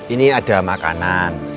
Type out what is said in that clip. ini ada makanan